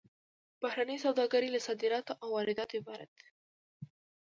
بهرنۍ سوداګري له صادراتو او وارداتو عبارت ده